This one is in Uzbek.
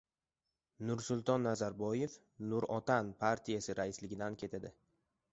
Nursulton Nazarboyev “Nur Otan” partiyasi raisligidan ketadi